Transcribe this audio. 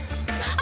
あ。